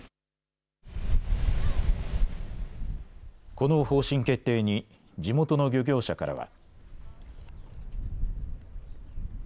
この方針決定に地元の漁業者からは。